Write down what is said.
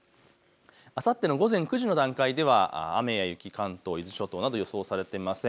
あさっての午前９時の段階では雨や雪、関東、伊豆諸島など予想されていません。